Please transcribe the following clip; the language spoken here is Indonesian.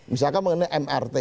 misalkan mengenai mrt